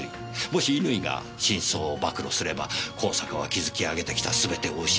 もし乾が真相を暴露すれば香坂は築き上げてきたすべてを失い破滅する。